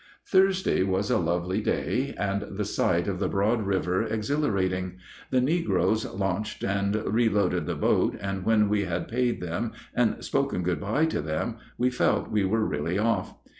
_) Thursday was a lovely day, and the sight of the broad river exhilarating. The negroes launched and reloaded the boat, and when we had paid them and spoken good by to them we felt we were really off.